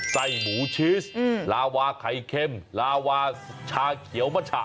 ไส้หมูชีสลาวาไข่เค็มลาวาชาเขียวมะฉะ